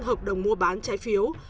hợp đồng mua bán trái phiếu